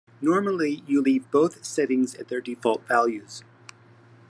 Normally, you leave both settings at their default values.